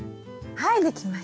はい。